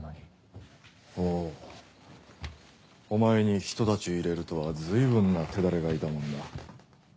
お前にひと太刀入れるとは随分な手だれがいたものだ。